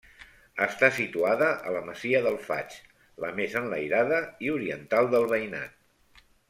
Està situada a la masia del Faig, la més enlairada i oriental del veïnat.